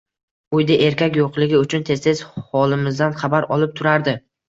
Uyda erkak yo`qligi uchun tez-tez holimizdan xabar olib turardi